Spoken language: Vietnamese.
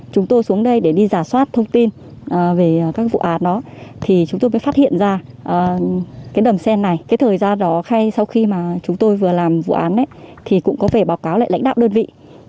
cũng có thể báo cáo lại lãnh đạo đơn vị